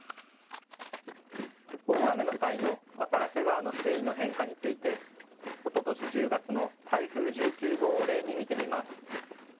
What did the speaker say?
大雨の際の渡良瀬川の水位の変化について、おととし１０月の台風１９号を例に見てみます。